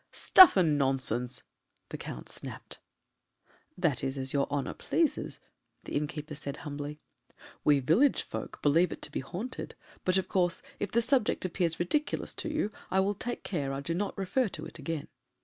"Stuff and nonsense!" the Count snapped. "That is as your honour pleases," the innkeeper said humbly. "We village folk believe it to be haunted; but, of course, if the subject appears ridiculous to you, I will take care I do not refer to it again."